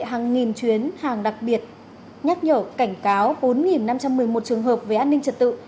hàng nghìn chuyến hàng đặc biệt nhắc nhở cảnh cáo bốn năm trăm một mươi một trường hợp về an ninh trật tự